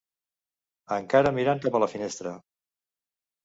Encara mirant cap a la finestra.